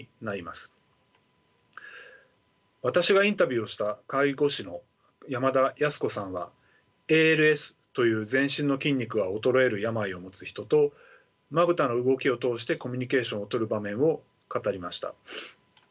私がインタビューをした介護士の山田康子さんはＡＬＳという全身の筋肉が衰える病を持つ人とまぶたの動きを通してコミュニケーションをとる場面を語りました。